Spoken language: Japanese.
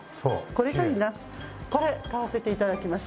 これ買わせていただきます。